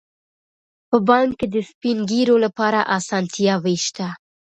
په بانک کې د سپین ږیرو لپاره اسانتیاوې شته.